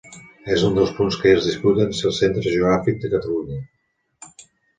És un dels punts que es disputen ser el centre geogràfic de Catalunya.